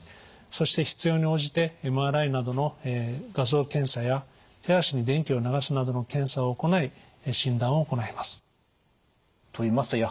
そして必要に応じてＭＲＩなどの画像検査や手足に電気を流すなどの検査を行い診断を行います。